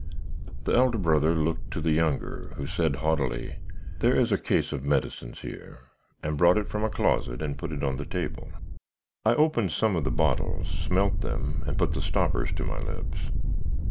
"The elder brother looked to the younger, who said haughtily, 'There is a case of medicines here;' and brought it from a closet, and put it on the table. "I opened some of the bottles, smelt them, and put the stoppers to my lips.